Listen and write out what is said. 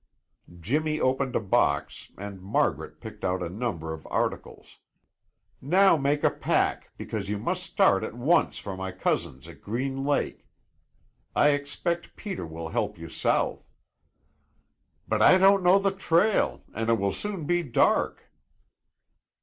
Jimmy opened a box, and Margaret picked out a number of articles. "Now make a pack, because you must start at once for my cousin's at Green Lake. I expect Peter will help you south." "But I don't know the trail, and it will soon be dark."